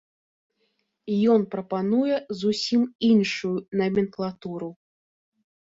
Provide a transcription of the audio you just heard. Ён прапануе зусім іншую наменклатуру.